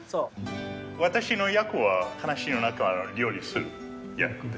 私の役は話の中料理する役です。